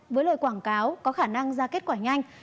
với lời quảng cáo có khả năng ra kết quả nhanh